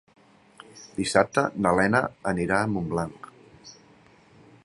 Dissabte na Lena anirà a Montblanc.